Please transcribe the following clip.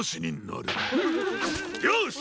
よし！